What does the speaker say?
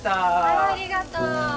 ああありがとう。